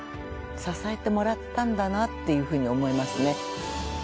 支えてもらったんだなっていうふうに思いますね。